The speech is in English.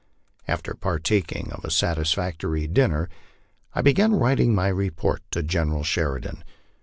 After partaking of a satisfactory dinner, I began writing my report to General Sheridan.